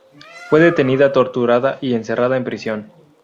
Fue detenida, torturada y encerrada en prisión.